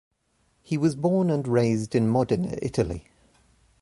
He was born and raised in Modena, Italy.